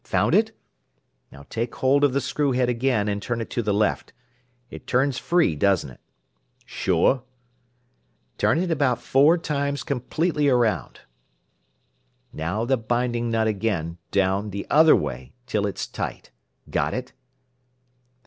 Found it? Now take hold of the screw head again, and turn it to the left. It turns free, doesn't it?" "Sure." "Turn it about four times completely around. Now the binding nut again, down, the other way, till it's tight. Got it?